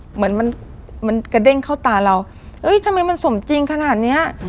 เหมือนมันมันกระเด้งเข้าตาเราเอ้ยทำไมมันสมจริงขนาดเนี้ย